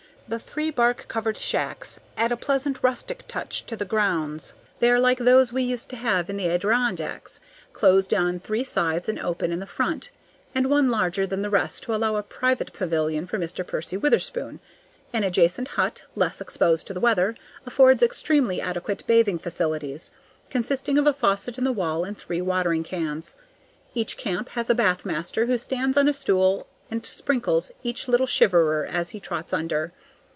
The three bark covered shacks add a pleasant rustic touch to the grounds. They are like those we used to have in the Adirondacks, closed on three sides and open in the front, and one larger than the rest to allow a private pavilion for Mr. Percy Witherspoon. An adjacent hut, less exposed to the weather, affords extremely adequate bathing facilities, consisting of a faucet in the wall and three watering cans. Each camp has a bath master who stands on a stool and sprinkles each little shiverer as he trots under.